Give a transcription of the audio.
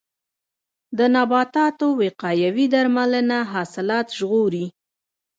د نباتاتو وقایوي درملنه حاصلات ژغوري.